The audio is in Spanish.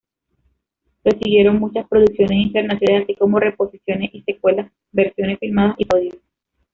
Le siguieron muchas producciones internacionales, así como reposiciones, y secuelas, versiones filmadas y parodias.